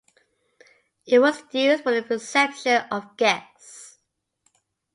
It was used for the reception of guests.